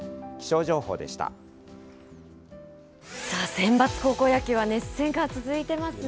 センバツ高校野球は熱戦が続いてますね。